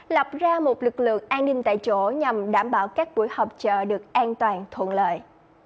lập ra một lực lượng an ninh tại chỗ nhằm đảm bảo các buổi họp chợ được an toàn thuận lợi